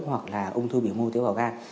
hoặc là ung thư biểu mô tế bào gan